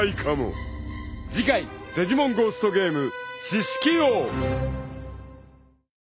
［次回『デジモンゴーストゲーム』］